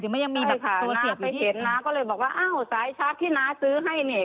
ใช่ค่ะน้าก็เลยบอกว่าเอ้าสายชาร์จที่น้าซื้อให้เนี่ย